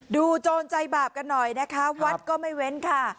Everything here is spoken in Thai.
โจรใจบาปกันหน่อยนะคะวัดก็ไม่เว้นค่ะ